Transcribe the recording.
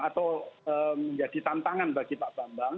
atau menjadi tantangan bagi pak bambang